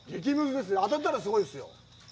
当たったら、すごいですよ。